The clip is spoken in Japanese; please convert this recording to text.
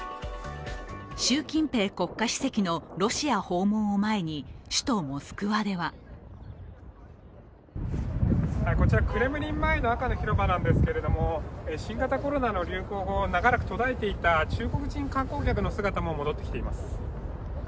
習近平国家主席のロシア訪問を前に首都モスクワではこちらクレムリン前の赤の広場なんですけれども新型コロナ流行後長らく途絶えていた中国人観光客の姿も戻ってきています。